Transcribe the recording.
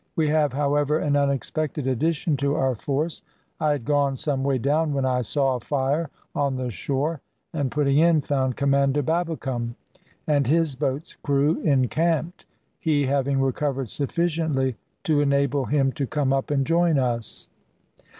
We have, however, an unexpected addition to our force. I had gone some way down when I saw a fire on the shore, and putting in, found Commander Babbicome and his boat's crew encamped, he having recovered sufficiently to enable him to come up and join us."